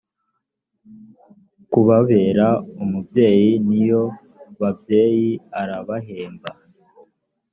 kubabera umubyeyi n iyo babyaye arabahemba